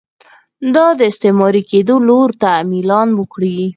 دا د استثماري کېدو لور ته میلان وکړي.